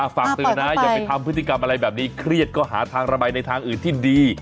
ฝากเตือนนะอย่าไปทำพฤติกรรมอะไรแบบนี้เครียดก็หาทางระบายในทางอื่นที่ดี